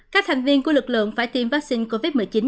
các thành viên của lực lượng phải tiêm vaccine covid một mươi chín